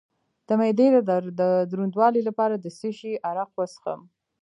د معدې د دروندوالي لپاره د څه شي عرق وڅښم؟